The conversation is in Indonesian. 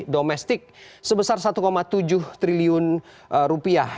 domestik sebesar satu tujuh triliun rupiah